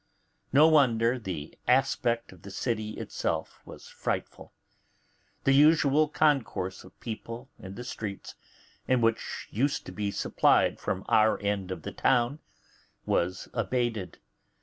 No wonder the aspect of the city itself was frightful. The usual concourse of people in the streets, and which used to be supplied from our end of the town, was abated.